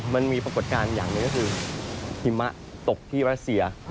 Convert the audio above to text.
ปรากฏการณ์อย่างหนึ่งก็คือหิมะตกที่รัสเซีย